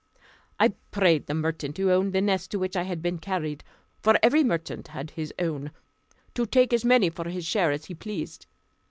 I prayed the merchant who owned the nest to which I had been carried (for every merchant had his own) to take as many for his share as he pleased.